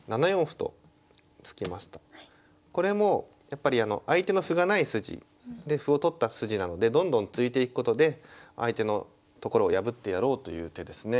これもやっぱり相手の歩がない筋で歩を取った筋なのでどんどん突いていくことで相手のところを破ってやろうという手ですね。